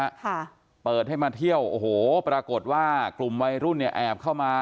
ค่ะเปิดให้มาเที่ยวโอ้โหปรากฏว่ากลุ่มวัยรุ่นเนี่ยแอบเข้ามา